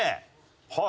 はい。